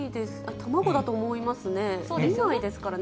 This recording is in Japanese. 卵だと思いますね。